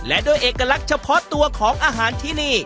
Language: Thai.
และด้วยเอกลักษณ์เฉพาะตัวของอาหารที่นี่